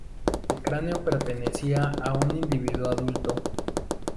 El cráneo pertenecía a un individuo adulto.